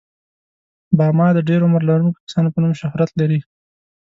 باما د ډېر عمر لرونکو کسانو په نوم شهرت لري.